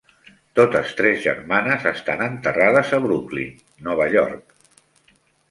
Totes tres germanes estan enterrades a Brooklyn, Nova York.